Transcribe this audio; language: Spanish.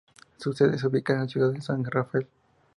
Su sede se ubica en la ciudad de San Rafael.